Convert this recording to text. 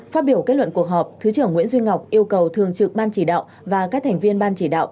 phát biểu kết luận cuộc họp thứ trưởng nguyễn duy ngọc yêu cầu thường trực ban chỉ đạo và các thành viên ban chỉ đạo